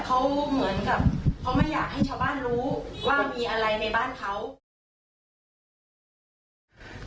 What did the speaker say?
เขาเหมือนกับเขาไม่อยากให้ชาวบ้านรู้ว่ามีอะไรในบ้านเขา